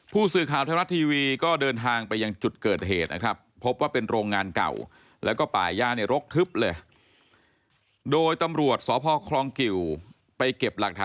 ผู้สื่อข่าวเทพรัฐทีวีก็เดินทางไปยังจุดเกิดเหตุนะครับ